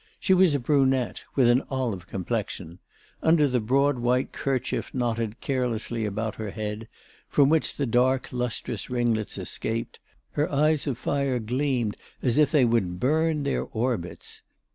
She was a brunette, with an olive complexion; under the broad white kerchief knotted carelessly about her head, from which the dark lustrous ringlets escaped, her eyes of fire gleamed as if they would burn their orbits.